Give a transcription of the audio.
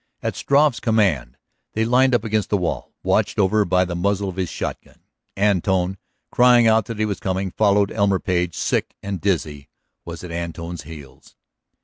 At Struve's command they lined up against the wall, watched over by the muzzle of his shotgun. Antone, crying out that he was coming, followed. Elmer Page, sick and dizzy, was at Antone's heels.